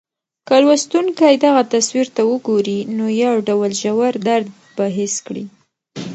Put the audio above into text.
که لوستونکی دغه تصویر ته وګوري، نو یو ډول ژور درد به حس کړي.